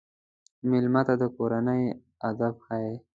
مېلمه ته د کورنۍ ادب ښيي.